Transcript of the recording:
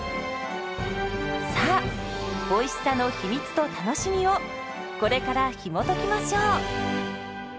さあおいしさの秘密と楽しみをこれからひもときましょう。